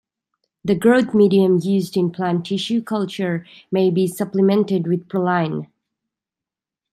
The growth medium used in plant tissue culture may be supplemented with proline.